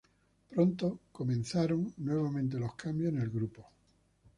Pronto comenzaron nuevamente los cambios en el grupo.